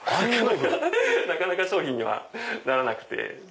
なかなか商品にはならなくて。